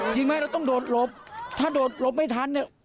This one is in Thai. จริงไหมเราต้องโดดหลบถ้าโดดหลบไม่ทันเนี่ย